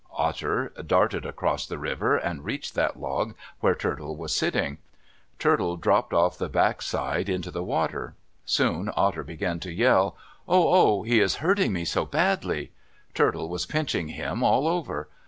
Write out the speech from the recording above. Otter darted across the river and reached that log where Turtle was sitting. Turtle dropped off the back side into the water. Soon Otter began to yell, "Oh oh! He is hurting me so badly!" Turtle was pinching him all over.